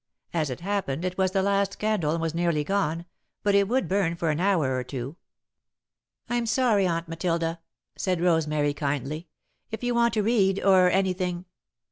As it happened, it was the last candle and was nearly gone, but it would burn for an hour or two. "I'm sorry, Aunt Matilda," said Rosemary, kindly, "if you want to read, or anything